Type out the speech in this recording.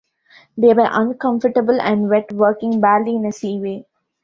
They were uncomfortable and wet, working badly in a seaway.